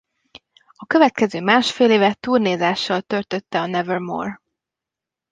A következő másfél évet turnézással töltötte a Nevermore.